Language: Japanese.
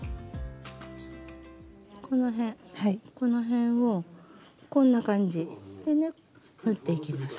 この辺この辺をこんな感じでね縫っていきます。